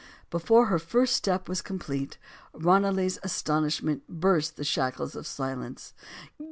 Before her first step was complete, Ranelagh's astonishment burst the shackles of silence.